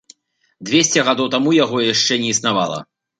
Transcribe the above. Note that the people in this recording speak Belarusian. Дзвесце гадоў таму яго яшчэ не існавала.